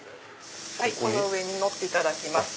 この上に乗っていただきます。